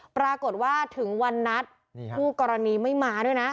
ปรากฏว่าถึงวันนัดคู่กรณีไม่มาด้วยนะ